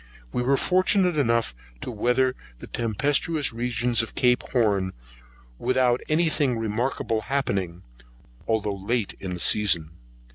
We were fortunate enough to weather the tempestuous regions of Cape Horn, without any thing remarkable happening, although late in the season.